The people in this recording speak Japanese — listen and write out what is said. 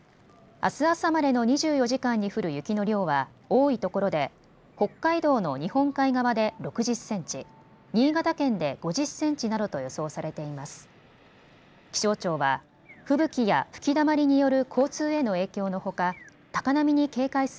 あす朝までの２４時間に降る雪の量は多いところで北海道の日本海側で６０センチ、新潟県で５０センチなどと予想されています。